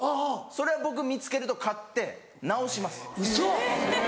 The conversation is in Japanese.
それは僕見つけると買って直します。